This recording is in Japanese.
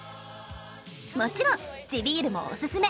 もちろん地ビールもおすすめ。